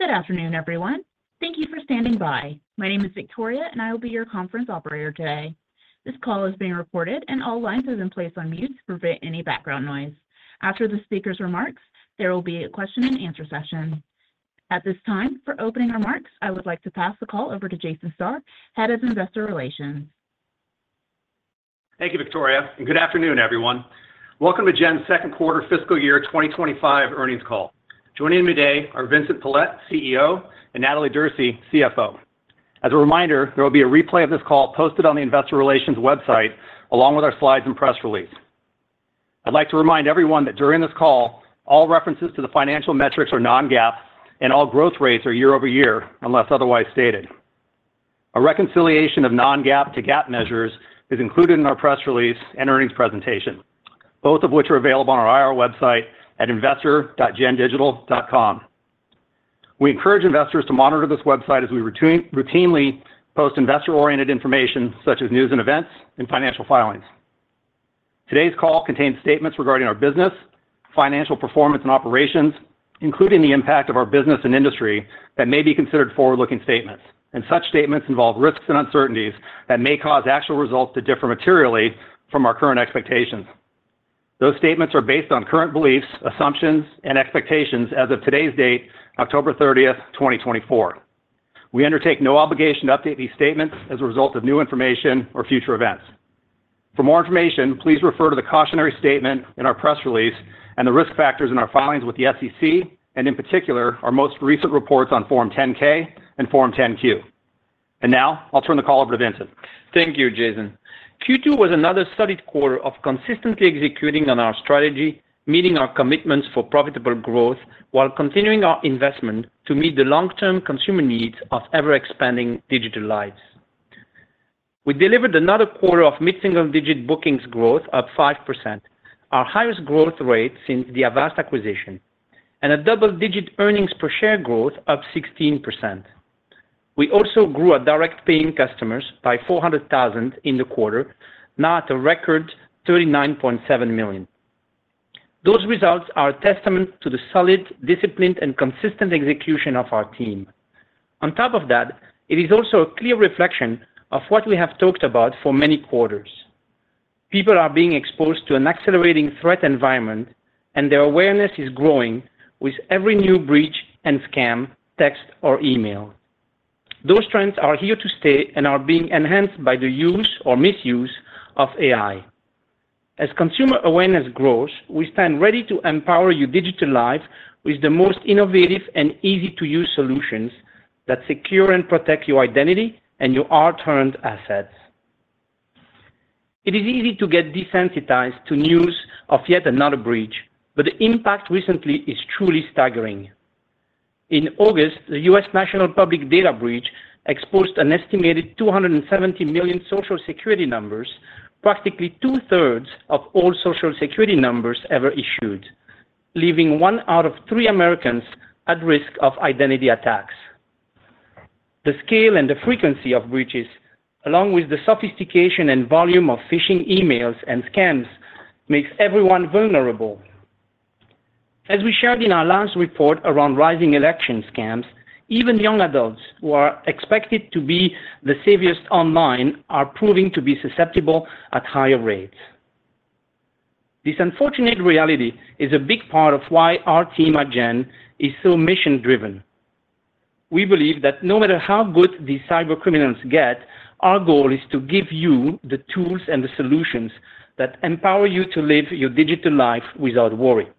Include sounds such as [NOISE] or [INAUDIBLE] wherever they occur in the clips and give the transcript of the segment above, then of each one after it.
Good afternoon, everyone. Thank you for standing by. My name is Victoria, and I will be your conference operator today. This call is being recorded, and all lines have been placed on mute to prevent any background noise. After the speaker's remarks, there will be a question-and-answer session. At this time, for opening remarks, I would like to pass the call over to Jason Starr, Head of Investor Relations. Thank you, Victoria. Good afternoon, everyone. Welcome to Gen's second quarter fiscal year 2025 earnings call. Joining me today are Vincent Pilette, CEO, and Natalie Derse, CFO. As a reminder, there will be a replay of this call posted on the Investor Relations website, along with our slides and press release. I'd like to remind everyone that during this call, all references to the financial metrics are non-GAAP, and all growth rates are year-over-year unless otherwise stated. A reconciliation of non-GAAP to GAAP measures is included in our press release and earnings presentation, both of which are available on our IR website at investor.gendigital.com. We encourage investors to monitor this website as we routinely post investor-oriented information such as news and events and financial filings. Today's call contains statements regarding our business, financial performance, and operations, including the impact of our business and industry that may be considered forward-looking statements. Such statements involve risks and uncertainties that may cause actual results to differ materially from our current expectations. Those statements are based on current beliefs, assumptions, and expectations as of today's date, October 30, 2024. We undertake no obligation to update these statements as a result of new information or future events. For more information, please refer to the cautionary statement in our press release and the risk factors in our filings with the SEC, and in particular, our most recent reports on Form 10-K and Form 10-Q. Now, I'll turn the call over to Vincent. Thank you, Jason. Q2 was another solid quarter of consistently executing on our strategy, meeting our commitments for profitable growth while continuing our investment to meet the long-term consumer needs of ever-expanding digital lives. We delivered another quarter of mid-single-digit bookings growth of 5%, our highest growth rate since the Avast acquisition, and a double-digit Earnings Per Share growth of 16%. We also grew our direct paying customers by 400,000 in the quarter, now at a record 39.7 million. Those results are a testament to the solid, disciplined, and consistent execution of our team. On top of that, it is also a clear reflection of what we have talked about for many quarters. People are being exposed to an accelerating threat environment, and their awareness is growing with every new breach and scam, text, or email. Those trends are here to stay and are being enhanced by the use or misuse of AI. As consumer awareness grows, we stand ready to empower your digital lives with the most innovative and easy-to-use solutions that secure and protect your identity and your all-important assets. It is easy to get desensitized to news of yet another breach, but the impact recently is truly staggering. In August, the U.S. National Public Data Breach exposed an estimated 270 million Social Security numbers, practically two-thirds of all Social Security numbers ever issued, leaving one out of three Americans at risk of identity attacks. The scale and the frequency of breaches, along with the sophistication and volume of phishing emails and scams, make everyone vulnerable. As we shared in our last report around rising election scams, even young adults who are expected to be the savviest online are proving to be susceptible at higher rates. This unfortunate reality is a big part of why our team at Gen is so mission-driven. We believe that no matter how good these cybercriminals get, our goal is to give you the tools and the solutions that empower you to live your digital life without worry.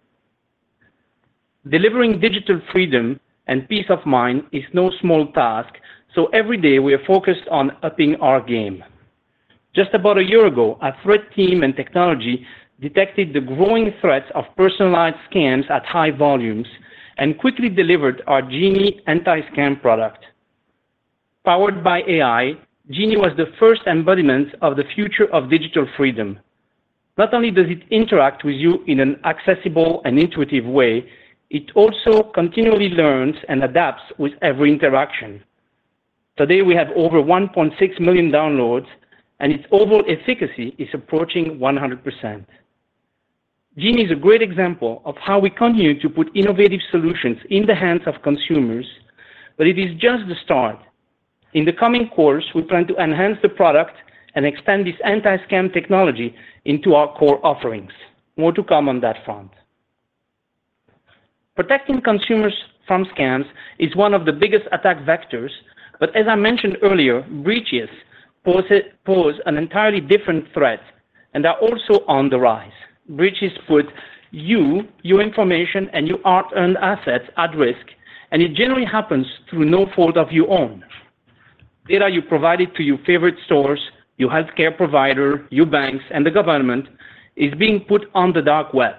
Delivering digital freedom and peace of mind is no small task, so every day we are focused on upping our game. Just about a year ago, our threat team and technology detected the growing threats of personalized scams at high volumes and quickly delivered our Genie anti-scam product. Powered by AI, Genie was the first embodiment of the future of digital freedom. Not only does it interact with you in an accessible and intuitive way, it also continually learns and adapts with every interaction. Today, we have over 1.6 million downloads, and its overall efficacy is approaching 100%. Genie is a great example of how we continue to put innovative solutions in the hands of consumers, but it is just the start. In the coming quarters, we plan to enhance the product and expand this anti-scam technology into our core offerings. More to come on that front. Protecting consumers from scams is one of the biggest attack vectors, but as I mentioned earlier, breaches pose an entirely different threat and are also on the rise. Breaches put you, your information, and your data and assets at risk, and it generally happens through no fault of your own. Data you provided to your favorite stores, your healthcare provider, your banks, and the government is being put on the dark web.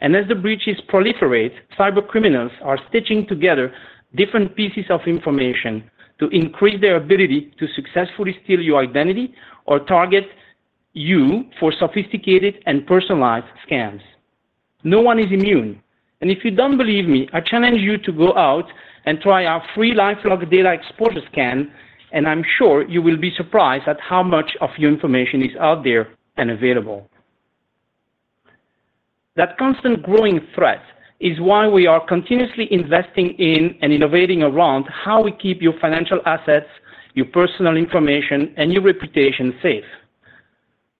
And as the breaches proliferate, cybercriminals are stitching together different pieces of information to increase their ability to successfully steal your identity or target you for sophisticated and personalized scams. No one is immune. And if you don't believe me, I challenge you to go out and try our free LifeLock data exposure scan, and I'm sure you will be surprised at how much of your information is out there and available. That constant growing threat is why we are continuously investing in and innovating around how we keep your financial assets, your personal information, and your reputation safe.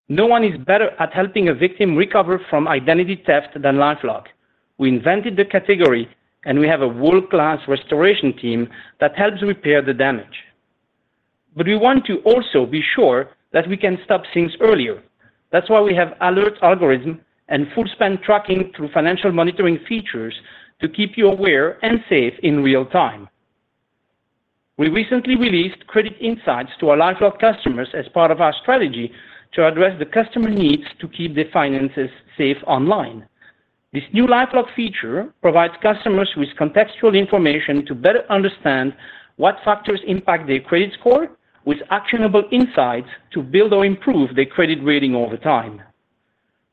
No one is better at helping a victim recover from identity theft than LifeLock. We invented the category, and we have a world-class restoration team that helps repair the damage. But we want to also be sure that we can stop things earlier. That's why we have alert algorithms and full-span tracking through financial monitoring features to keep you aware and safe in real time. We recently released credit insights to our LifeLock customers as part of our strategy to address the customer needs to keep their finances safe online. This new LifeLock feature provides customers with contextual information to better understand what factors impact their credit score with actionable insights to build or improve their credit rating over time.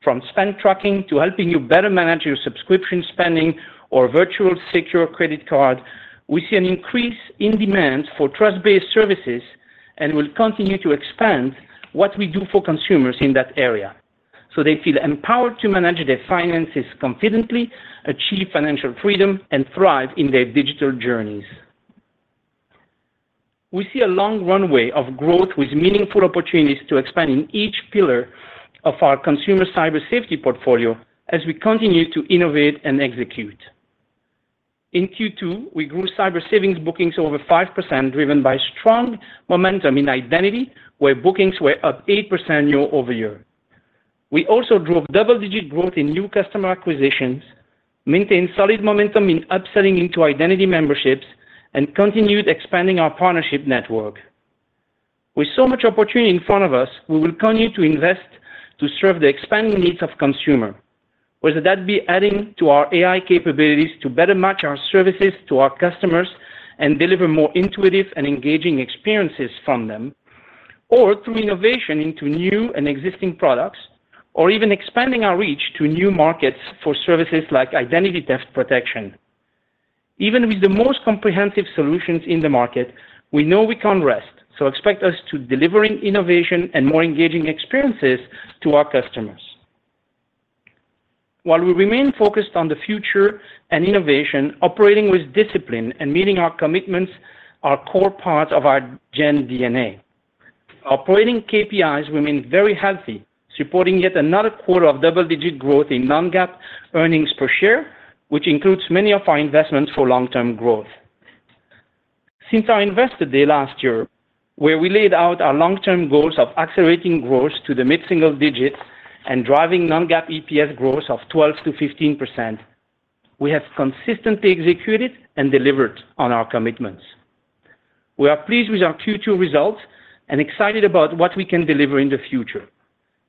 From spend tracking to helping you better manage your subscription spending or virtual secure credit card, we see an increase in demand for trust-based services and will continue to expand what we do for consumers in that area so they feel empowered to manage their finances confidently, achieve financial freedom, and thrive in their digital journeys. We see a long runway of growth with meaningful opportunities to expand in each pillar of our consumer cyber safety portfolio as we continue to innovate and execute. In Q2, we grew cyber savings bookings over 5% driven by strong momentum in identity, where bookings were up 8% year-over-year. We also drove double-digit growth in new customer acquisitions, maintained solid momentum in upselling into identity memberships, and continued expanding our partnership network. With so much opportunity in front of us, we will continue to invest to serve the expanding needs of consumers, whether that be adding to our AI capabilities to better match our services to our customers and deliver more intuitive and engaging experiences from them, or through innovation into new and existing products, or even expanding our reach to new markets for services like identity theft protection. Even with the most comprehensive solutions in the market, we know we can't rest, so expect us to deliver innovation and more engaging experiences to our customers. While we remain focused on the future and innovation, operating with discipline and meeting our commitments are core parts of our Gen DNA. Operating KPIs remain very healthy, supporting yet another quarter of double-digit growth in non-GAAP Earnings Per Share, which includes many of our investments for long-term growth. Since our investor day last year, where we laid out our long-term goals of accelerating growth to the mid-single digits and driving non-GAAP EPS growth of 12% to 15%, we have consistently executed and delivered on our commitments. We are pleased with our Q2 results and excited about what we can deliver in the future.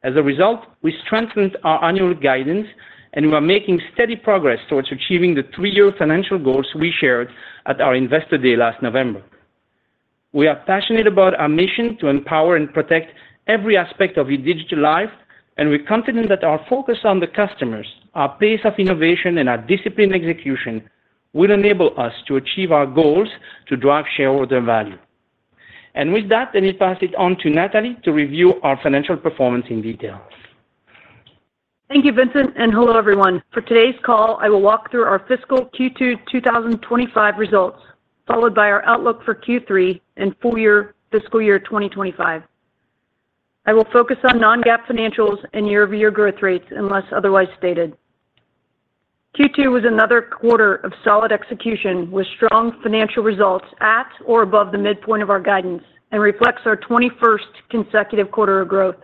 As a result, we strengthened our annual guidance, and we are making steady progress towards achieving the three-year financial goals we shared at our investor day last November. We are passionate about our mission to empower and protect every aspect of your digital lives, and we're confident that our focus on the customers, our pace of innovation, and our disciplined execution will enable us to achieve our goals to drive shareholder value. And with that, let me pass it on to Natalie to review our financial performance in detail. Thank you, Vincent, and hello, everyone. For today's call, I will walk through our fiscal Q2 2025 results, followed by our outlook for Q3 and full year fiscal year 2025. I will focus on non-GAAP financials and year-over-year growth rates unless otherwise stated. Q2 was another quarter of solid execution with strong financial results at or above the midpoint of our guidance and reflects our 21st consecutive quarter of growth.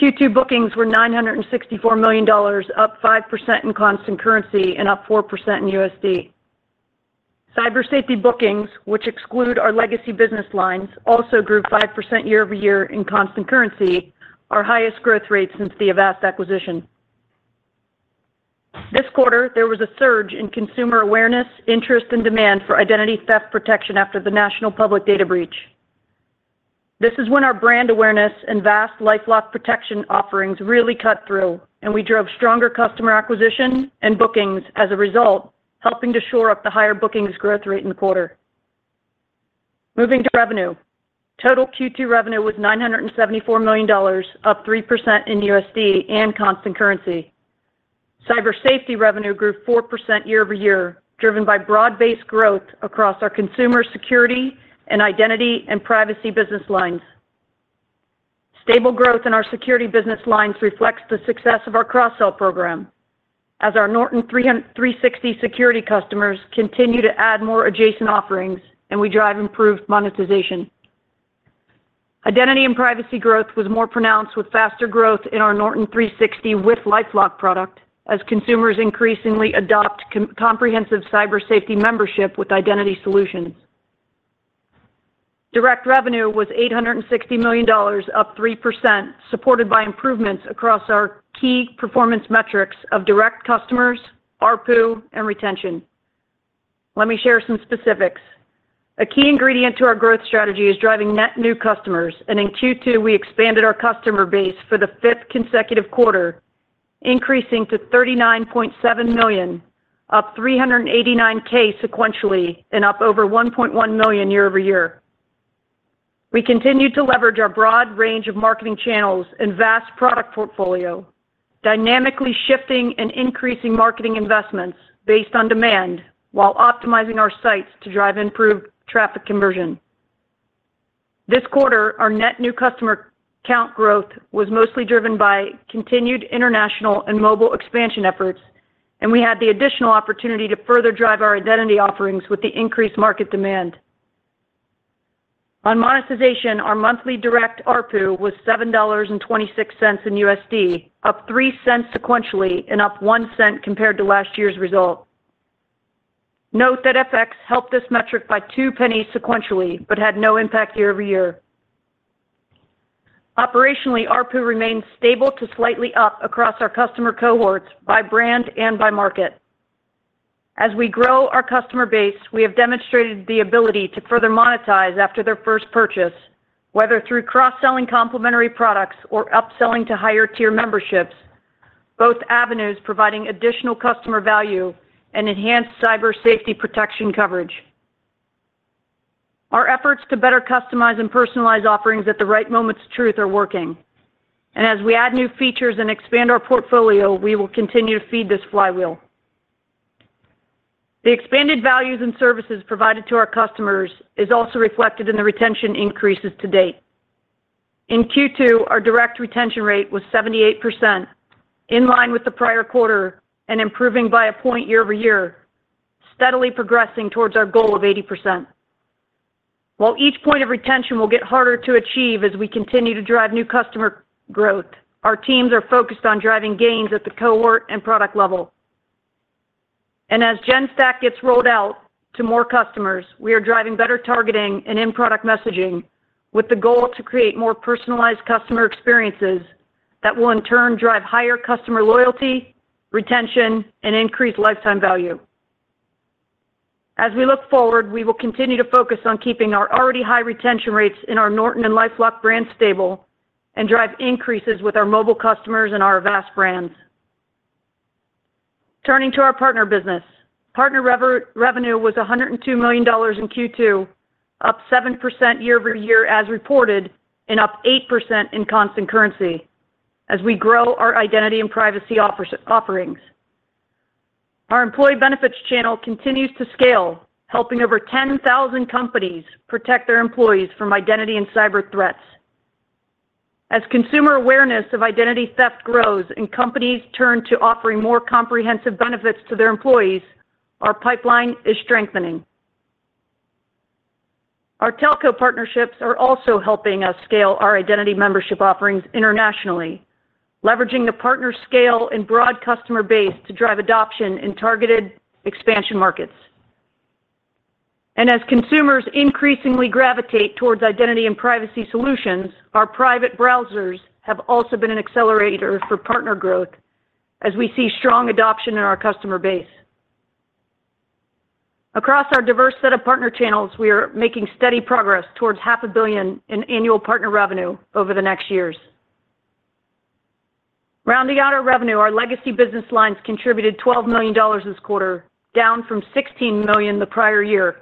Q2 bookings were $964 million, up 5% in constant currency and up 4% in USD. Cyber safety bookings, which exclude our legacy business lines, also grew 5% year-over-year in constant currency, our highest growth rate since the Avast acquisition. This quarter, there was a surge in consumer awareness, interest, and demand for identity theft protection after the National Public Data Breach. This is when our brand awareness and vast LifeLock protection offerings really cut through, and we drove stronger customer acquisition and bookings as a result, helping to shore up the higher bookings growth rate in the quarter. Moving to revenue, total Q2 revenue was $974 million, up 3% in USD and constant currency. Cyber safety revenue grew 4% year-over-year, driven by broad-based growth across our consumer security and identity and privacy business lines. Stable growth in our security business lines reflects the success of our cross-sell program, as our Norton 360 security customers continue to add more adjacent offerings, and we drive improved monetization. Identity and privacy growth was more pronounced with faster growth in our Norton 360 with LifeLock product, as consumers increasingly adopt comprehensive cyber safety membership with identity solutions. Direct revenue was $860 million, up 3%, supported by improvements across our key performance metrics of direct customers, ARPU, and retention. Let me share some specifics. A key ingredient to our growth strategy is driving net new customers, and in Q2, we expanded our customer base for the fifth consecutive quarter, increasing to 39.7 million, up 389K sequentially, and up over 1.1 million year-over-year. We continue to leverage our broad range of marketing channels and vast product portfolio, dynamically shifting and increasing marketing investments based on demand while optimizing our sites to drive improved traffic conversion. This quarter, our net new customer count growth was mostly driven by continued international and mobile expansion efforts, and we had the additional opportunity to further drive our identity offerings with the increased market demand. On monetization, our monthly direct ARPU was $7.26 in USD, up $0.03 sequentially and up $0.01 compared to last year's result. Note that FX helped this metric by $0.02 sequentially but had no impact year-over-year. Operationally, ARPU remained stable to slightly up across our customer cohorts by brand and by market. As we grow our customer base, we have demonstrated the ability to further monetize after their first purchase, whether through cross-selling complementary products or upselling to higher-tier memberships, both avenues providing additional customer value and enhanced cyber safety protection coverage. Our efforts to better customize and personalize offerings at the right moment's truth are working, and as we add new features and expand our portfolio, we will continue to feed this flywheel. The expanded values and services provided to our customers are also reflected in the retention increases to date. In Q2, our direct retention rate was 78%, in line with the prior quarter and improving by a point year-over-year, steadily progressing towards our goal of 80%. While each point of retention will get harder to achieve as we continue to drive new customer growth, our teams are focused on driving gains at the cohort and product level. And as GenStack gets rolled out to more customers, we are driving better targeting and in-product messaging with the goal to create more personalized customer experiences that will in turn drive higher customer loyalty, retention, and increased lifetime value. As we look forward, we will continue to focus on keeping our already high retention rates in our Norton and LifeLock brands stable and drive increases with our mobile customers and our Avast brands. Turning to our partner business, partner revenue was $102 million in Q2, up 7% year-over-year as reported and up 8% in constant currency as we grow our identity and privacy offerings. Our employee benefits channel continues to scale, helping over 10,000 companies protect their employees from identity and cyber threats. As consumer awareness of identity theft grows and companies turn to offering more comprehensive benefits to their employees, our pipeline is strengthening. Our telco partnerships are also helping us scale our identity membership offerings internationally, leveraging the partner scale and broad customer base to drive adoption in targeted expansion markets. As consumers increasingly gravitate towards identity and privacy solutions, our private browsers have also been an accelerator for partner growth as we see strong adoption in our customer base. Across our diverse set of partner channels, we are making steady progress towards $500 million in annual partner revenue over the next years. Rounding out our revenue, our legacy business lines contributed $12 million this quarter, down from $16 million the prior year.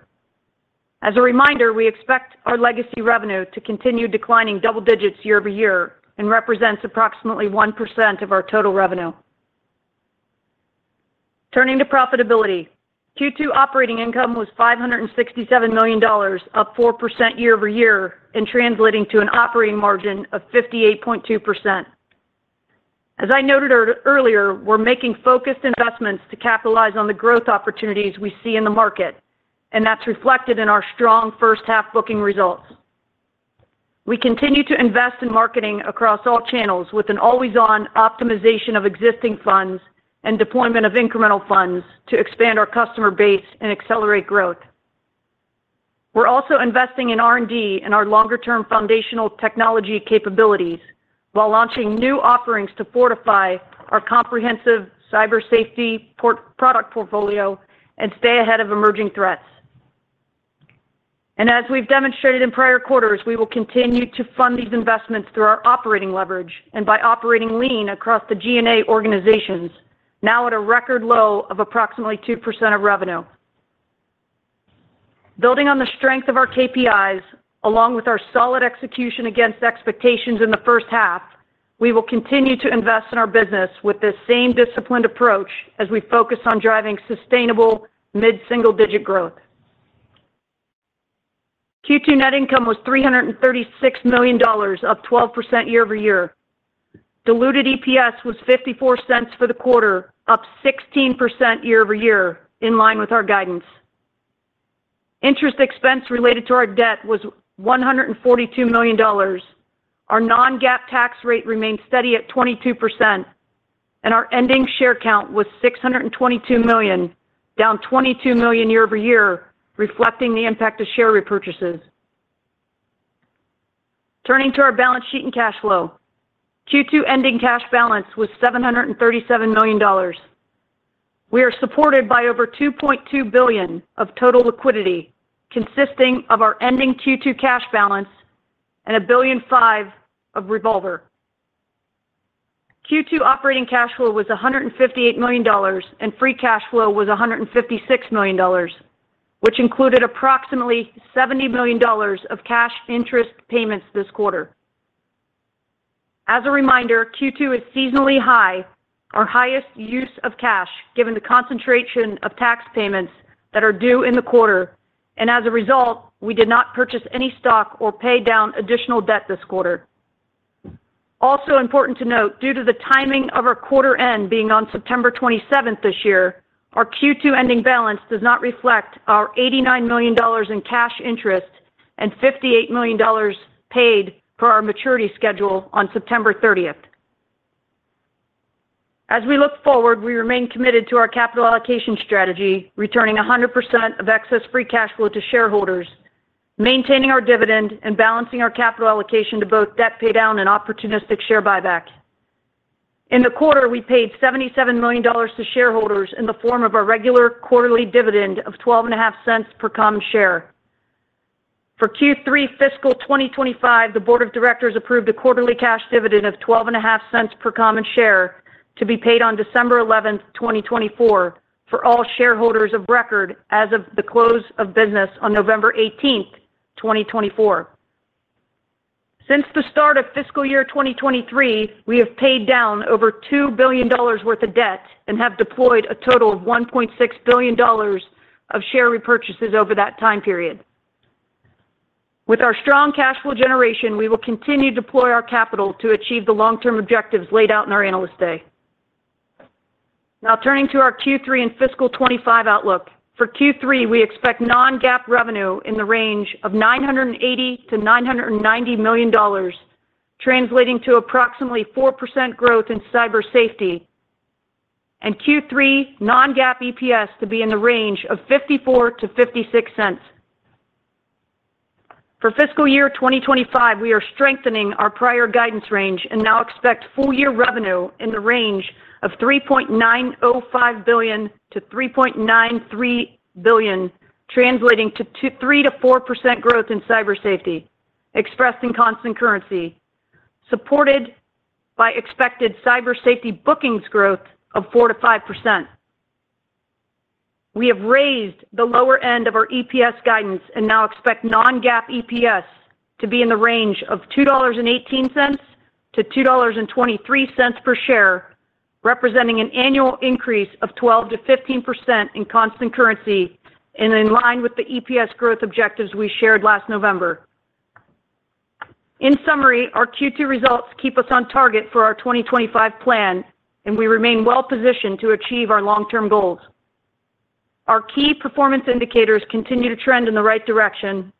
As a reminder, we expect our legacy revenue to continue declining double digits year-over-year and represents approximately 1% of our total revenue. Turning to profitability, Q2 operating income was $567 million, up 4% year-over-year, and translating to an operating margin of 58.2%. As I noted earlier, we're making focused investments to capitalize on the growth opportunities we see in the market, and that's reflected in our strong first-half booking results. We continue to invest in marketing across all channels with an always-on optimization of existing funds and deployment of incremental funds to expand our customer base and accelerate growth. We're also investing in R&D and our longer-term foundational technology capabilities while launching new offerings to fortify our comprehensive cyber safety product portfolio and stay ahead of emerging threats. And as we've demonstrated in prior quarters, we will continue to fund these investments through our operating leverage and by operating lean across the G&A organizations, now at a record low of approximately 2% of revenue. Building on the strength of our KPIs, along with our solid execution against expectations in the first half, we will continue to invest in our business with this same disciplined approach as we focus on driving sustainable mid-single digit growth. Q2 net income was $336 million, up 12% year-over-year. Diluted EPS was $0.54 for the quarter, up 16% year-over-year, in line with our guidance. Interest expense related to our debt was $142 million. Our non-GAAP tax rate remained steady at 22%, and our ending share count was 622 million, down 22 million year-over-year, reflecting the impact of share repurchases. Turning to our balance sheet and cash flow, Q2 ending cash balance was $737 million. We are supported by over $2.2 billion of total liquidity, consisting of our ending Q2 cash balance and $1.5 billion of revolver. Q2 operating cash flow was $158 million, and free cash flow was $156 million, which included approximately $70 million of cash interest payments this quarter. As a reminder, Q2 is seasonally high, our highest use of cash given the concentration of tax payments that are due in the quarter, and as a result, we did not purchase any stock or pay down additional debt this quarter. Also important to note, due to the timing of our quarter end being on September 27th this year, our Q2 ending balance does not reflect our $89 million in cash interest and $58 million paid for our maturity schedule on September 30th. As we look-forward, we remain committed to our capital allocation strategy, returning 100% of excess free cash flow to shareholders, maintaining our dividend, and balancing our capital allocation to both debt pay down and opportunistic share buyback. In the quarter, we paid $77 million to shareholders in the form of our regular quarterly dividend of 12.5 cents per common share. For Q3 fiscal 2025, the Board of Directors approved a quarterly cash dividend of 12.5 cents per common share to be paid on December 11th, 2024, for all shareholders of record as of the close of business on November 18th, 2024. Since the start of fiscal year 2023, we have paid down over $2 billion worth of debt and have deployed a total of $1.6 billion of share repurchases over that time period. With our strong cash flow generation, we will continue to deploy our capital to achieve the long-term objectives laid out in our analyst day. Now, turning to our Q3 and fiscal 25 outlook, for Q3, we expect non-GAAP revenue in the range of $980 million-$990 million, translating to approximately 4% growth in cyber safety, and Q3 non-GAAP EPS to be in the range of $0.54-$0.56. For fiscal year 2025, we are strengthening our prior guidance range and now expect full-year revenue in the range of $3.905 billion-$3.93 billion, translating to 3% to 4% growth in cyber safety, expressed in constant currency, supported by expected cyber safety bookings growth of 4% to 5%. We have raised the lower end of our EPS guidance and now expect non-GAAP EPS to be in the range of $2.18-$2.23 per share, representing an annual increase of 12%-15% in constant currency and in line with the EPS growth objectives we shared last November. In summary, our Q2 results keep us on target for our 2025 plan, and we remain well-positioned to achieve our long-term goals. Our key performance indicators continue to trend in the right direction.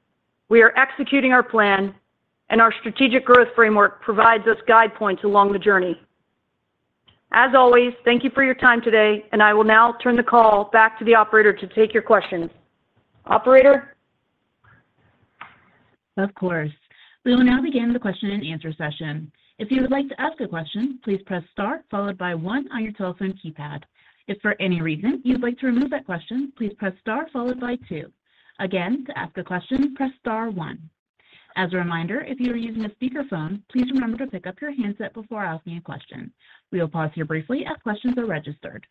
We are executing our plan, and our strategic growth framework provides us guidepoints along the journey. As always, thank you for your time today, and I will now turn the call back to the operator to take your questions. Operator. Of course. We will now begin the question-and-answer session. If you would like to ask a question, please press Star followed by 1 on your telephone keypad. If for any reason you'd like to remove that question, please press Star followed by 2. Again, to ask a question, press Star 1. As a reminder, if you are using a speakerphone, please remember to pick up your handset before asking a question. We will pause here briefly as questions are registered.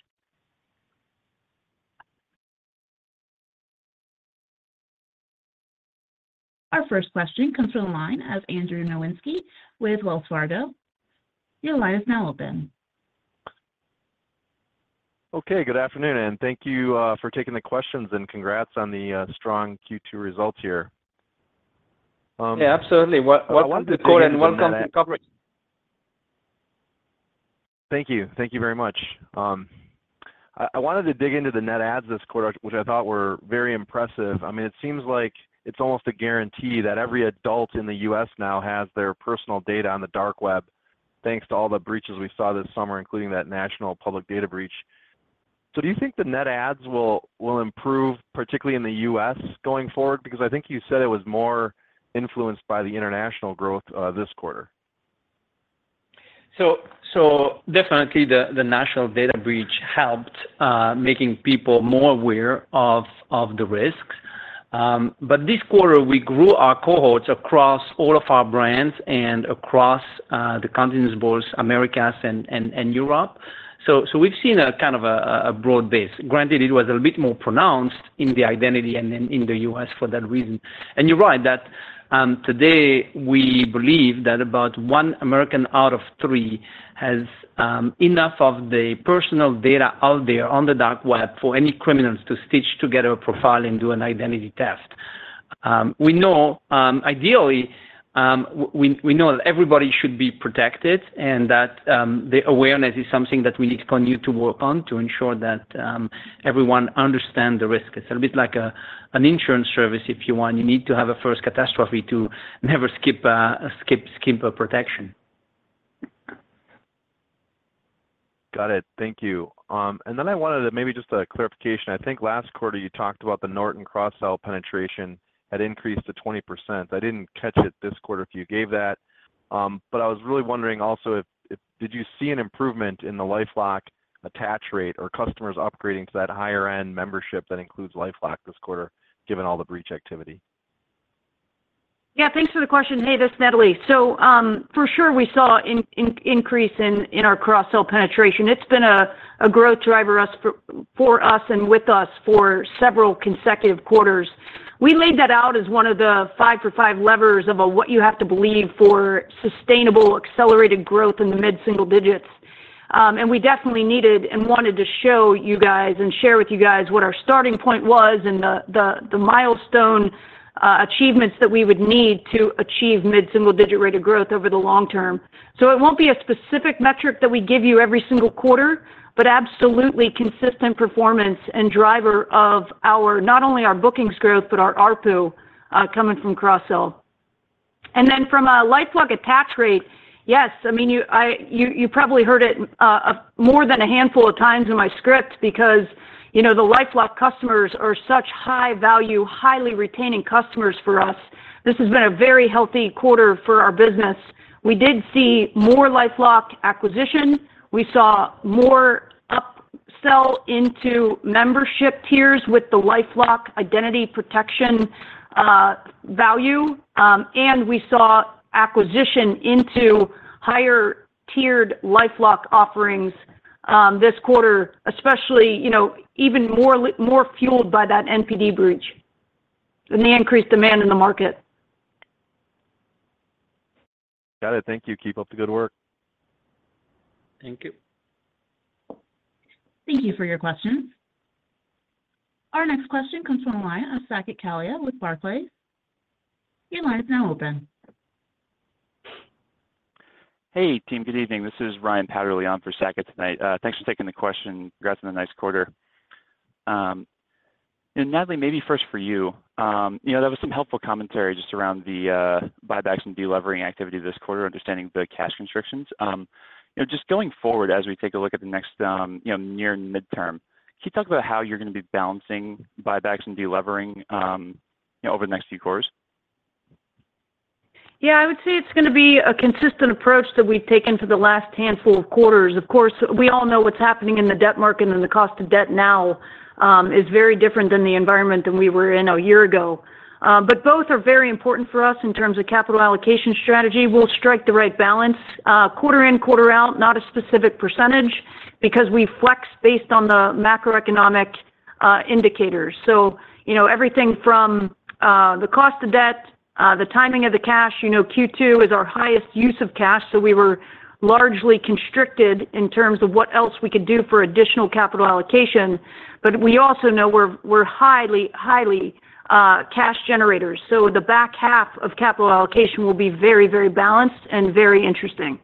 Our first question comes from the line of Andrew Nowinski with Wells Fargo. Your line is now open. Okay. Good afternoon, and thank you for taking the questions and congrats on the strong Q2 results here. [CROSSTALK] Thank you. Thank you very much. I wanted to dig into the net adds this quarter, which I thought were very impressive. I mean, it seems like it's almost a guarantee that every adult in the U.S. now has their personal data on the dark web, thanks to all the breaches we saw this summer, including that National Public Data Breach. So do you think the net adds will improve, particularly in the U.S. going forward? Because I think you said it was more influenced by the international growth this quarter. So definitely, the national data breach helped making people more aware of the risks. But this quarter, we grew our cohorts across all of our brands and across the continents, both Americas and Europe. We've seen a kind of a broad base. Granted, it was a little bit more pronounced in the identity and then in the U.S. for that reason. You're right that today we believe that about one American out of three has enough of the personal data out there on the dark web for any criminals to stitch together a profile and do an identity test. We know, ideally, we know that everybody should be protected and that the awareness is something that we need to continue to work on to ensure that everyone understands the risk. It's a little bit like an insurance service, if you want. You need to have a first catastrophe to never skip a protection. Got it. Thank you. And then I wanted to maybe just a clarification. I think last quarter you talked about the Norton cross-sell penetration had increased to 20%. I didn't catch it this quarter if you gave that. But I was really wondering also if did you see an improvement in the LifeLock attach rate or customers upgrading to that higher-end membership that includes LifeLock this quarter, given all the breach activity? Yeah. Thanks for the question. Hey, this is Natalie. So for sure, we saw an increase in our cross-sell penetration. It's been a growth driver for us and with us for several consecutive quarters. We laid that out as one of the five-for-five levers of what you have to believe for sustainable accelerated growth in the mid-single digits. And we definitely needed and wanted to show you guys and share with you guys what our starting point was and the milestone achievements that we would need to achieve mid-single digit rate of growth over the long term. So it won't be a specific metric that we give you every single quarter, but absolutely consistent performance and driver of not only our bookings growth, but our ARPU coming from cross-sell. And then from a LifeLock attach rate, yes. I mean, you probably heard it more than a handful of times in my script because the LifeLock customers are such high-value, highly retaining customers for us. This has been a very healthy quarter for our business. We did see more LifeLock acquisition. We saw more upsell into membership tiers with the LifeLock identity protection value, and we saw acquisition into higher-tiered LifeLock offerings this quarter, especially even more fueled by that NPD breach and the increased demand in the market. Got it. Thank you. Keep up the good work. Thank you. Thank you for your questions. Our next question comes from the line of Saket Kalia with Barclays. Your line is now open. Hey, team. Good evening. This is Ryan Powderly-Gross for Sackett tonight. Thanks for taking the question. Congrats on a nice quarter. Natalie, maybe first for you. There was some helpful commentary just around the buybacks and delevering activity this quarter, understanding the cash constraints. Just going forward, as we take a look at the next near midterm, can you talk about how you're going to be balancing buybacks and delevering over the next few quarters? Yeah. I would say it's going to be a consistent approach that we've taken for the last handful of quarters. Of course, we all know what's happening in the debt market, and the cost of debt now is very different than the environment that we were in a year ago. But both are very important for us in terms of capital allocation strategy. We'll strike the right balance quarter in, quarter out, not a specific percentage because we flex based on the macroeconomic indicators. So everything from the cost of debt, the timing of the cash. Q2 is our highest use of cash, so we were largely constricted in terms of what else we could do for additional capital allocation. But we also know we're highly cash generators. So the back half of capital allocation will be very, very balanced and very interesting.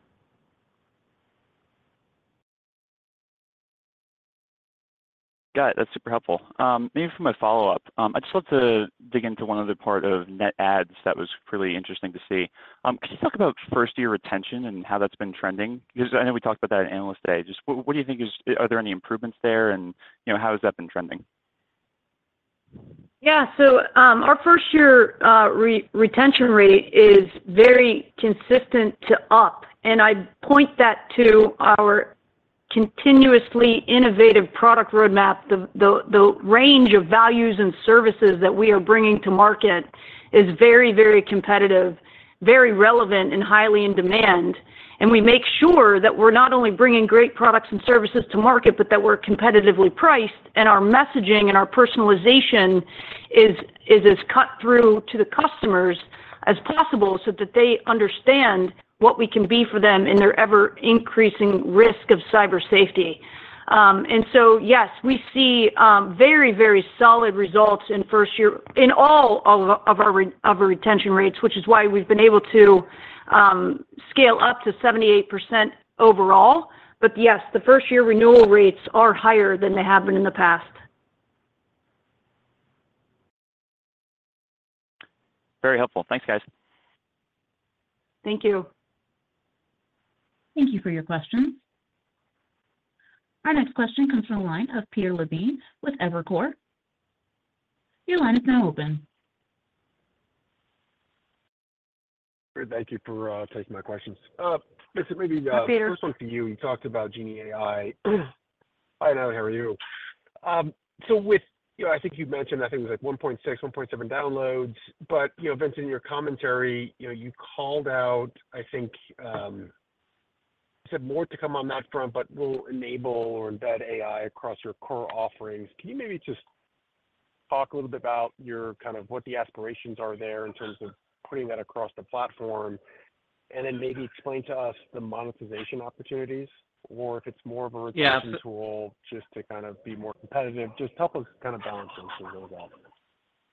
Got it. That's super helpful. Maybe for my follow-up, I just want to dig into one other part of net adds that was really interesting to see. Can you talk about first-year retention and how that's been trending? Because I know we talked about that in Analyst Day. Just what do you think are there any improvements there, and how has that been trending? Yeah. Our first-year retention rate is very consistent, too, up. And I point that to our continuously innovative product roadmap. The range of values and services that we are bringing to market is very, very competitive, very relevant, and highly in demand. And we make sure that we're not only bringing great products and services to market, but that we're competitively priced, and our messaging and our personalization is as cuts through to the customers as possible so that they understand what we can be for them in their ever-increasing risk of cyber safety. And so, yes, we see very, very solid results in all of our retention rates, which is why we've been able to scale up to 78% overall. But yes, the first-year renewal rates are higher than they have been in the past. Very helpful. Thanks, guys. Thank you. Thank you for your questions. Our next question comes from the line of Peter Levine with Evercore. Your line is now open. Thank you for taking my questions. Vincent, maybe first one for you. You talked about Genie AI. Hi, Natalie. How are you? So I think you mentioned that there was like 1.6-1.7 downloads. But Vincent, in your commentary, you called out, I think you said more to come on that front, but we'll enable or embed AI across your core offerings. Can you maybe just talk a little bit about kind of what the aspirations are there in terms of putting that across the platform, and then maybe explain to us the monetization opportunities, or if it's more of a retention tool just to kind of be more competitive, just help us kind of balance those two things out.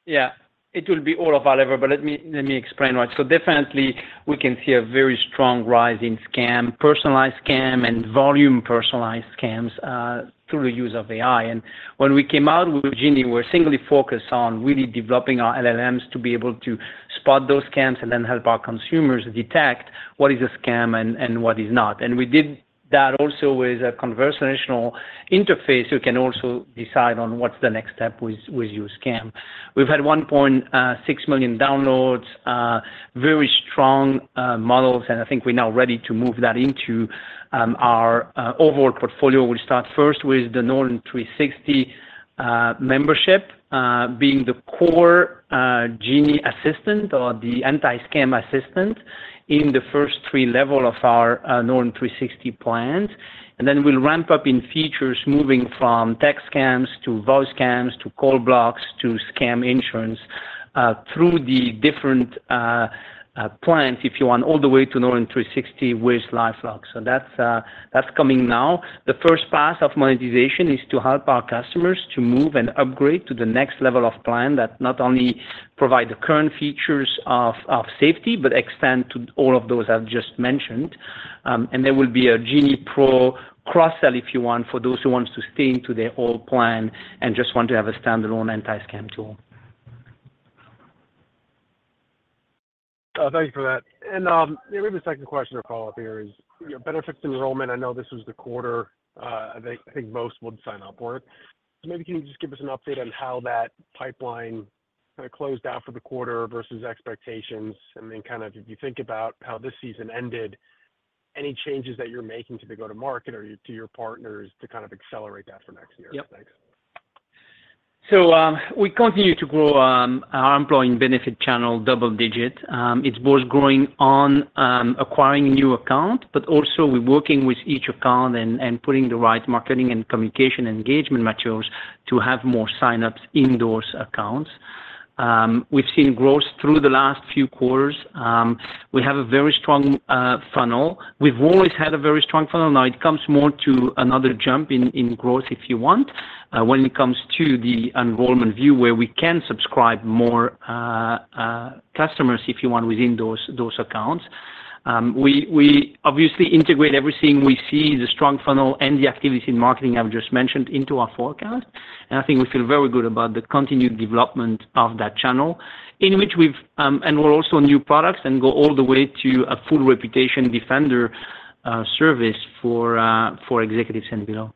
Yeah. It will be all of our lever, but let me explain. So definitely, we can see a very strong rise in scam, personalized scam, and volume personalized scams through the use of AI. And when we came out with Genie, we were singly focused on really developing our LLMs to be able to spot those scams and then help our consumers detect what is a scam and what is not. And we did that also with a conversational interface so you can also decide on what's the next step with your scam. We've had 1.6 million downloads, very strong models, and I think we're now ready to move that into our overall portfolio. We'll start first with the Norton 360 membership being the core Genie assistant or the anti-scam assistant in the first three levels of our Norton 360 plans. And then we'll ramp up in features moving from text scams to voice scams to call blocks to scam insurance through the different plans, if you want, all the way to Norton 360 with LifeLock. So that's coming now. The first pass of monetization is to help our customers to move and upgrade to the next level of plan that not only provides the current features of safety, but extends to all of those I've just mentioned. And there will be a Genie Pro cross-sell, if you want, for those who want to stay into their old plan and just want to have a standalone anti-scam tool. Thank you for that. And maybe the second question or follow-up here is benefits enrollment. I know this was the quarter. I think most would sign up for it. So maybe can you just give us an update on how that pipeline kind of closed out for the quarter versus expectations? And then kind of if you think about how this season ended, any changes that you're making to the go-to-market or to your partners to kind of accelerate that for next year? Yeah, so we continue to grow our employee benefit channel, double-digit. It's both growing on acquiring new accounts, but also we're working with each account and putting the right marketing and communication engagement materials to have more sign-ups in those accounts. We've seen growth through the last few quarters. We have a very strong funnel. We've always had a very strong funnel. Now it comes more to another jump in growth, if you want, when it comes to the enrollment view where we can subscribe more customers, if you want, within those accounts. We obviously integrate everything we see, the strong funnel and the activities in marketing I've just mentioned, into our forecast, and I think we feel very good about the continued development of that channel, and we're also new products and go all the way to a full ReputationDefender service for executives and below.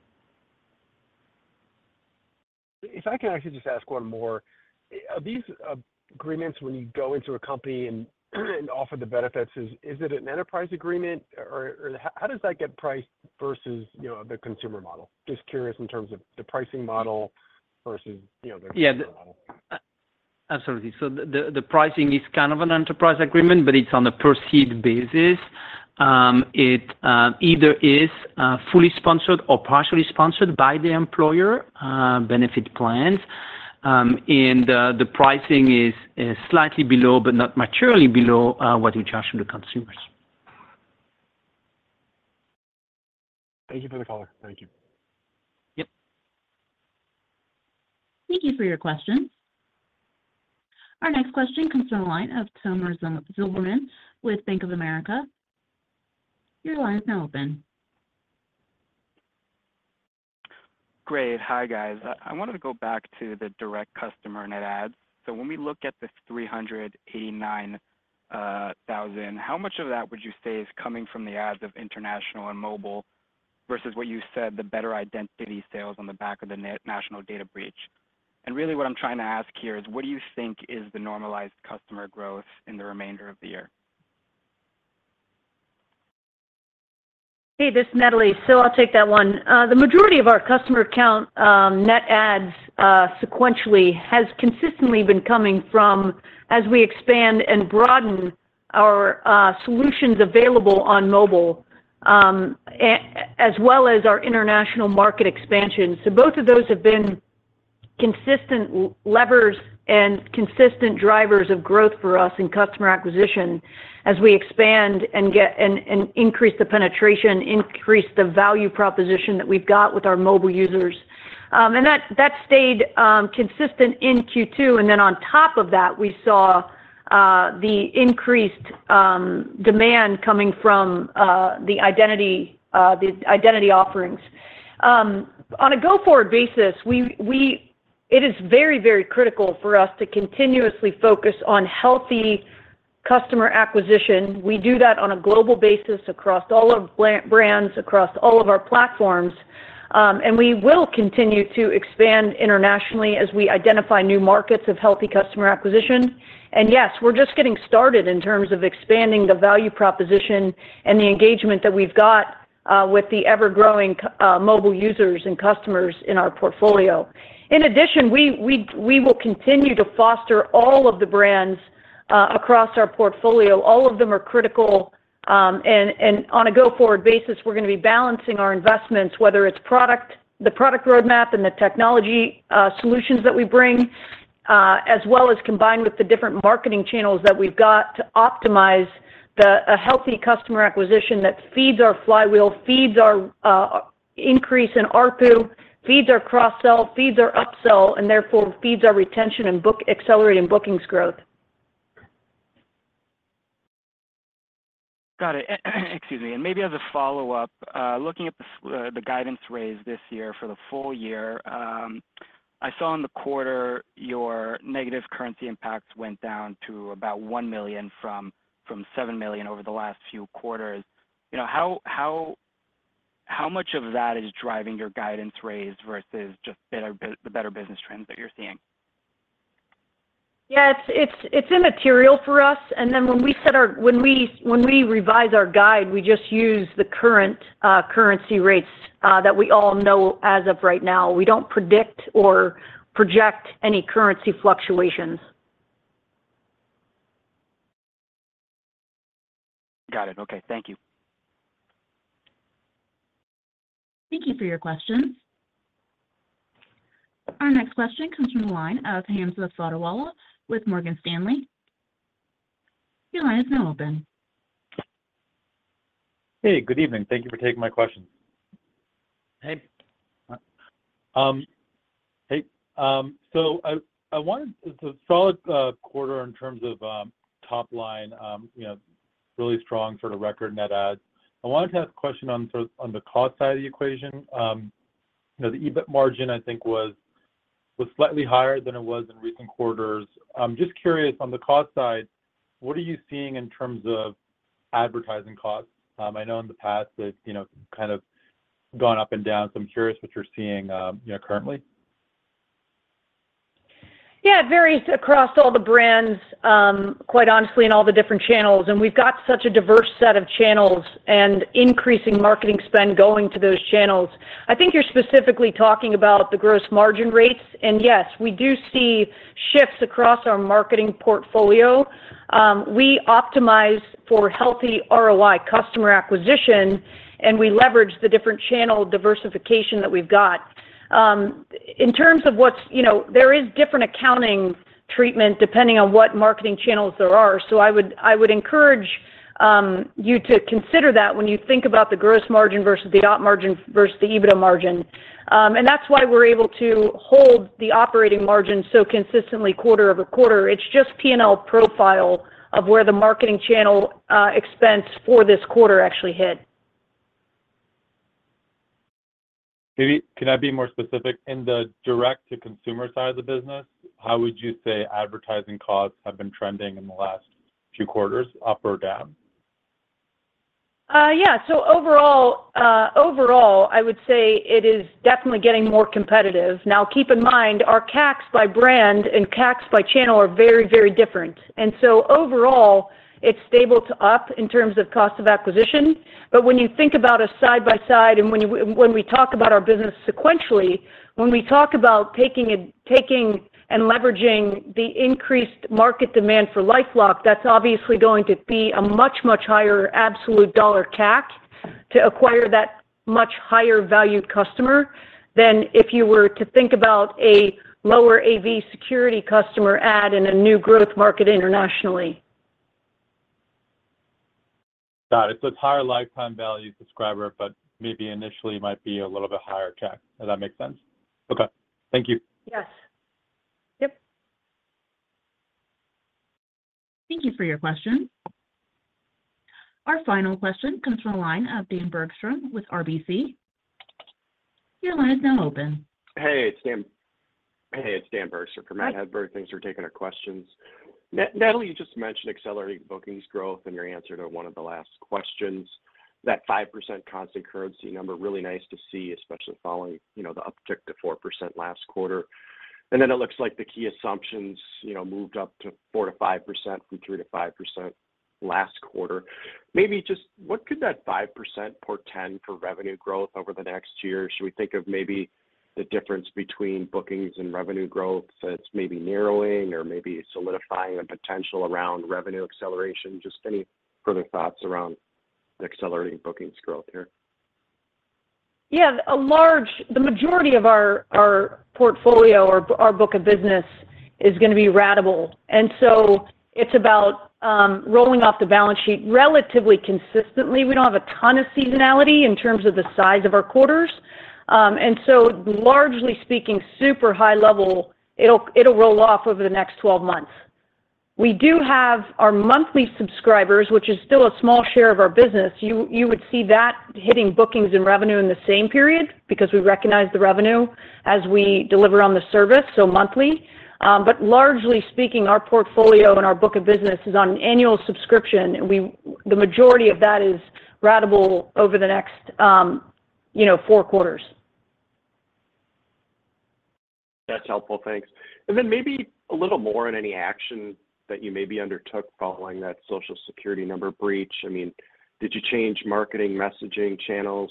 If I can actually just ask one more. These agreements, when you go into a company and offer the benefits, is it an enterprise agreement? Or how does that get priced versus the consumer model? Just curious in terms of the pricing model versus the consumer model. Yeah. Absolutely. So the pricing is kind of an enterprise agreement, but it's on a per seat basis. It either is fully sponsored or partially sponsored by the employer benefit plans, and the pricing is slightly below, but not materially below, what we charge to the consumers. Thank you for the call. Thank you. Yep. Thank you for your questions. Our next question comes from the line of Tomer Zilberman with Bank of America. Your line is now open. Great. Hi, guys. I wanted to go back to the direct customer net adds. So when we look at the 389,000, how much of that would you say is coming from the adds of international and mobile versus what you said, the better identity sales on the back of the National Public Data Breach? And really what I'm trying to ask here is, what do you think is the normalized customer growth in the remainder of the year? Hey, this is Natalie. So I'll take that one. The majority of our customer count net adds sequentially has consistently been coming from as we expand and broaden our solutions available on mobile as well as our international market expansion. So both of those have been consistent levers and consistent drivers of growth for us in customer acquisition as we expand and increase the penetration, increase the value proposition that we've got with our mobile users. And that stayed consistent in Q2. And then on top of that, we saw the increased demand coming from the identity offerings. On a go-forward basis, it is very, very critical for us to continuously focus on healthy customer acquisition. We do that on a global basis across all of our brands, across all of our platforms. And we will continue to expand internationally as we identify new markets of healthy customer acquisition. Yes, we're just getting started in terms of expanding the value proposition and the engagement that we've got with the ever-growing mobile users and customers in our portfolio. In addition, we will continue to foster all of the brands across our portfolio. All of them are critical. On a go-forward basis, we're going to be balancing our investments, whether it's the product roadmap and the technology solutions that we bring, as well as combined with the different marketing channels that we've got to optimize a healthy customer acquisition that feeds our flywheel, feeds our increase in ARPU, feeds our cross-sell, feeds our upsell, and therefore feeds our retention and accelerating bookings growth. Got it. Excuse me. And maybe as a follow-up, looking at the guidance raise this year for the full year, I saw in the quarter your negative currency impacts went down to about $1 million from $7 million over the last few quarters. How much of that is driving your guidance raise versus just the better business trends that you're seeing? Yeah. It's immaterial for us, and then when we revise our guide, we just use the current currency rates that we all know as of right now. We don't predict or project any currency fluctuations. Got it. Okay. Thank you. Thank you for your questions. Our next question comes from the line of Hamza Fodderwala with Morgan Stanley. Your line is now open. Hey. Good evening. Thank you for taking my question. Hey. Hey. So I wanted to say solid quarter in terms of top line, really strong sort of record net adds. I wanted to ask a question on the cost side of the equation. The EBIT margin, I think, was slightly higher than it was in recent quarters. I'm just curious on the cost side, what are you seeing in terms of advertising costs? I know in the past it's kind of gone up and down. So I'm curious what you're seeing currently. Yeah. It varies across all the brands, quite honestly, in all the different channels. And we've got such a diverse set of channels and increasing marketing spend going to those channels. I think you're specifically talking about the gross margin rates. And yes, we do see shifts across our marketing portfolio. We optimize for healthy ROI, customer acquisition, and we leverage the different channel diversification that we've got. In terms of what's there is different accounting treatment depending on what marketing channels there are. So I would encourage you to consider that when you think about the gross margin versus the operating margin versus the EBITDA margin. And that's why we're able to hold the operating margin so consistently quarter over quarter. It's just P&L profile of where the marketing channel expense for this quarter actually hit. Can I be more specific? In the direct-to-consumer side of the business, how would you say advertising costs have been trending in the last few quarters, up or down? Yeah. So overall, I would say it is definitely getting more competitive. Now, keep in mind, our CACs by brand and CACs by channel are very, very different, and so overall, it's stable to up in terms of cost of acquisition, but when you think about a side-by-side and when we talk about our business sequentially, when we talk about taking and leveraging the increased market demand for LifeLock, that's obviously going to be a much, much higher absolute dollar CAC to acquire that much higher-valued customer than if you were to think about a lower AV security customer add in a new growth market internationally. Got it. So it's higher lifetime value subscriber, but maybe initially might be a little bit higher CAC. Does that make sense? Okay. Thank you. Yes. Thank you for your question. Our final question comes from the line of Dan Bergstrom with RBC. Your line is now open. Hey. It's Dan Bergstrom from RBC Capital Markets. Thanks for taking our questions. Natalie, you just mentioned accelerating bookings growth in your answer to one of the last questions. That 5% constant currency number, really nice to see, especially following the uptick to 4% last quarter. And then it looks like the key assumptions moved up to 4%-5% from 3%-5% last quarter. Maybe just what could that 5% portend for revenue growth over the next year? Should we think of maybe the difference between bookings and revenue growth that's maybe narrowing or maybe solidifying a potential around revenue acceleration? Just any further thoughts around the accelerating bookings growth here? Yeah. The majority of our portfolio or our book of business is going to be ratable, and so it's about rolling off the balance sheet relatively consistently. We don't have a ton of seasonality in terms of the size of our quarters, and so largely speaking, super high level, it'll roll off over the next 12 months. We do have our monthly subscribers, which is still a small share of our business. You would see that hitting bookings and revenue in the same period because we recognize the revenue as we deliver on the service, so monthly, but largely speaking, our portfolio and our book of business is on an annual subscription. The majority of that is ratable over the next four quarters. That's helpful. Thanks. And then maybe a little more on any action that you maybe undertook following that Social Security number breach. I mean, did you change marketing messaging channels?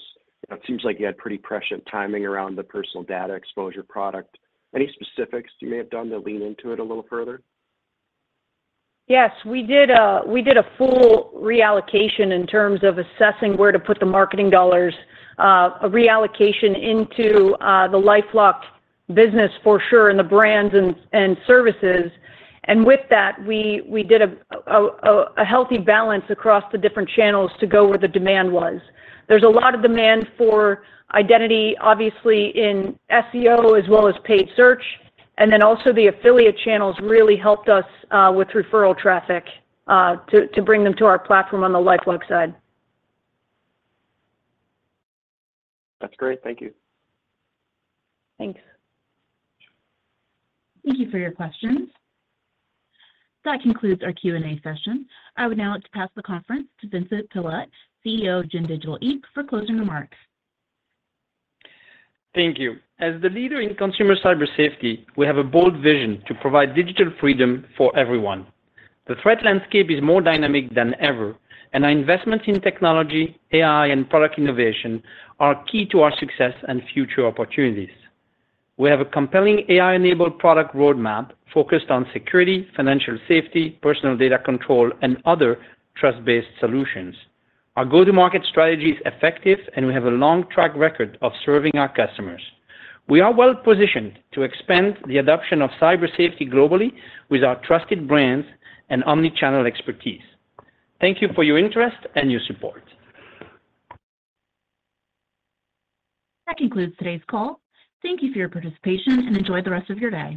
It seems like you had pretty prescient timing around the personal data exposure product. Any specifics you may have done to lean into it a little further? Yes. We did a full reallocation in terms of assessing where to put the marketing dollars, a reallocation into the LifeLock business for sure and the brands and services. And with that, we did a healthy balance across the different channels to go where the demand was. There's a lot of demand for identity, obviously, in SEO as well as paid search. And then also the affiliate channels really helped us with referral traffic to bring them to our platform on the LifeLock side. That's great. Thank you. Thanks. Thank you for your questions. That concludes our Q&A session. I would now like to pass the conference to Vincent Pilette, CEO of Gen Digital Inc., for closing remarks. Thank you. As the leader in consumer cyber safety, we have a bold vision to provide digital freedom for everyone. The threat landscape is more dynamic than ever, and our investments in technology, AI, and product innovation are key to our success and future opportunities. We have a compelling AI-enabled product roadmap focused on security, financial safety, personal data control, and other trust-based solutions. Our go-to-market strategy is effective, and we have a long track record of serving our customers. We are well positioned to expand the adoption of cyber safety globally with our trusted brands and omnichannel expertise. Thank you for your interest and your support. That concludes today's call. Thank you for your participation and enjoy the rest of your day.